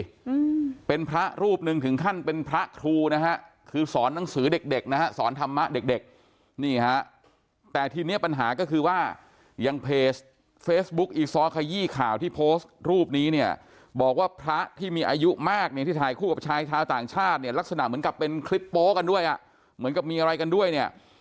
อืมเป็นพระรูปหนึ่งถึงขั้นเป็นพระครูนะฮะคือสอนหนังสือเด็กเด็กนะฮะสอนธรรมะเด็กเด็กนี่ฮะแต่ทีเนี้ยปัญหาก็คือว่ายังเพจเฟซบุ๊กอีซ้อขยี้ข่าวที่โพสต์รูปนี้เนี่ยบอกว่าพระที่มีอายุมากเนี่ยที่ถ่ายคู่กับชายชาวต่างชาติเนี่ยลักษณะเหมือนกับเป็นคลิปโป๊กันด้วยอ่ะเหมือนกับมีอะไรกันด้วยเนี่ย